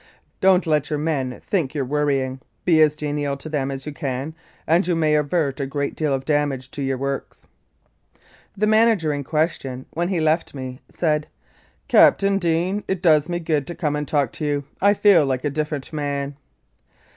Don't let your men think you're worrying be as genial to them as you can, and you may avert a great deal of damage to your works." The manager in question, when he left me, said, "Captain Deane, it does me good to come and talk to you I feel like a different man."